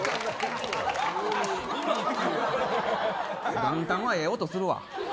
元旦はええ音するわ。